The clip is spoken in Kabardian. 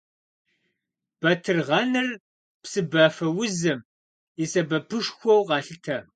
Батыргъэныр псыбафэузым и сэбэпышхуэу къалъытэ.